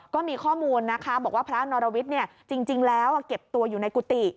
ก็มีข้อมูลนะคะบอกว่าพระนรวิทย์จริงแล้วเก็บตัวอยู่ในกุฏิ